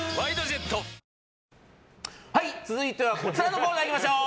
続いてはこちらのコーナー行きましょう。